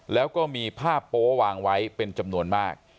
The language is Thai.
แล้วก็มีผ้าโป๊วางไว้เป็นจำนวนมาก